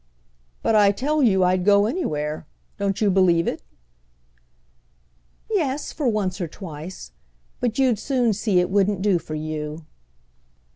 "But I tell you I'd go anywhere. Don't you believe it?" "Yes, for once or twice. But you'd soon see it wouldn't do for you."